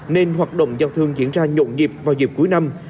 nên hoạt động giao thương diễn ra nhộn nhịp vào dịp cuối năm